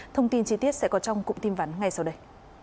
thông tin chi tiết sẽ có trong cụm tin vắn ngay sau đây